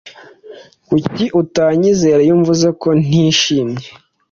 Kuki utanyizera iyo mvuze ko nishimye?